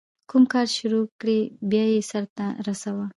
کوم کار چي شروع کړې، بیا ئې سر ته رسوه.